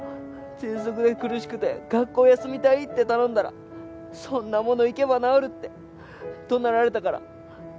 ぜんそくで苦しくて学校休みたいって頼んだらそんなもの行けば治るって怒鳴られたから。